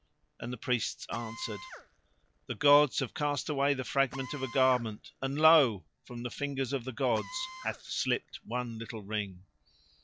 And the priests answered: "The gods have cast away the fragment of a garment and lo! from the fingers of the gods hath slipped one little ring."